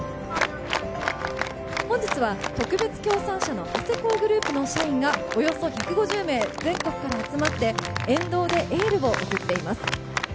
本日は特別協賛社の長谷工グループの社員がおよそ１５０名全国から集まって沿道でエールを送っています。